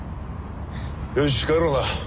よし帰ろうな。